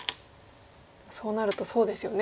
そうなるとそうですよね